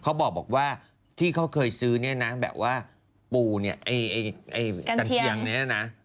เขาบอกว่าที่เขาเคยซื้อแบบว่าปูกันเชียงนี้นะ